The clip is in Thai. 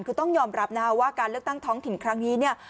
คือต้องยอมรับนะคะว่าการเลือกตั้งท้องถิ่นครั้งนี้เนี่ย